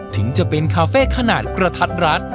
ถึงจะเป็นคาเฟ่ขนาดกระทัดรัด